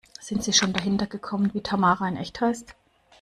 Sind Sie schon dahinter gekommen, wie Tamara in echt heißt?